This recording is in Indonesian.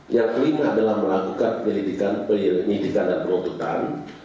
yang kelima adalah melakukan penyelidikan penyelidikan dan penuntutan